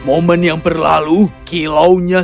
momen yang berlalu kilaunya